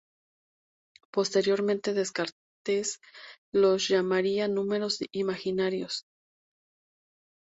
Posteriormente Descartes los llamaría números imaginarios.